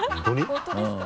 本当ですか？